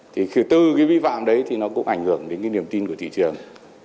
thứ tư cái vi phạm đấy thì nó cũng ảnh hưởng đến cái niềm tin của thị trường